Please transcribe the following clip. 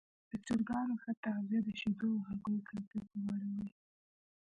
د چرګانو ښه تغذیه د شیدو او هګیو کیفیت لوړوي.